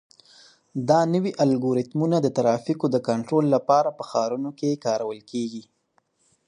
دا نوي الګوریتمونه د ترافیکو د کنټرول لپاره په ښارونو کې کارول کیږي.